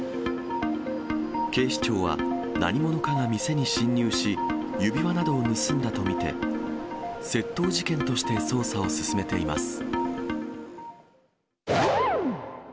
警視庁は、何者かが店に侵入し、指輪などを盗んだと見て、窃盗事件として捜査を進めています。